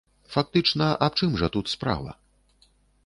Фактычна, аб чым жа тут справа?